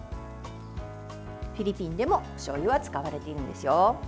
フィリピンでもしょうゆは使われているんですよ。